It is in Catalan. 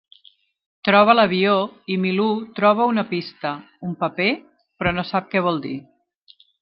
Troba l'avió, i Milú troba una pista, un paper, però no sap que vol dir.